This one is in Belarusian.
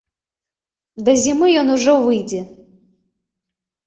Да зімы ён ужо выйдзе.